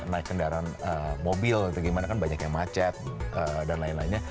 naik kendaraan mobil gitu gimana kan banyaknya macet dan lain lainnya